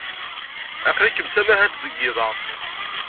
Aql-ikem d tamahalt deg yiḍ-a?